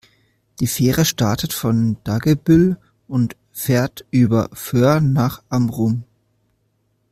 Die Fähre startet von Dagebüll und fährt über Föhr nach Amrum.